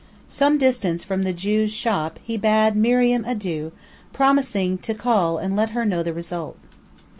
Some distance from the Jew's shop he bade Miriam adieu, promising to call and let her know the result.